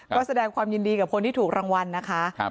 ก็แสดงความยินดีกับคนที่ถูกรางวัลนะคะ